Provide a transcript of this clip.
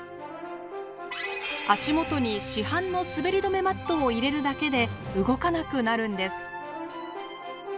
足元に市販のすべり止めマットを入れるだけで動かなくなるんです。